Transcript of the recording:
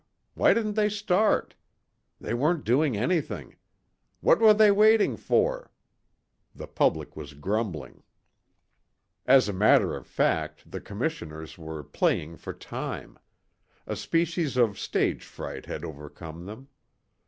why didn't they start ... they weren't doing anything ... what were they waiting for ... the public was grumbling. As a matter of fact the commissioners were playing for time. A species of stage fright had overcome them.